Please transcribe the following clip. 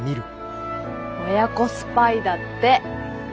親子スパイだって。